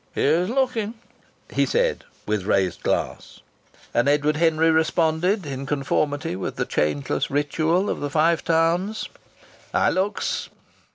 "Here's looking!" he said, with raised glass. And Edward Henry responded, in conformity with the changeless ritual of the Five Towns: "I looks!"